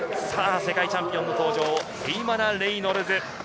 世界チャンピオンの登場、ヘイマナ・レイノルズ。